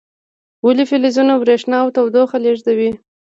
ولې فلزونه برېښنا او تودوخه لیږدوي؟